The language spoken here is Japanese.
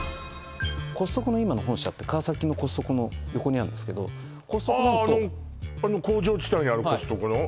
コストコの今の本社って川崎のコストコの横にあんですけどあああの工場地帯にあるコストコの？